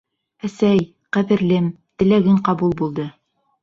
Әсәй, ҡәҙерлем, теләгең ҡабул булды.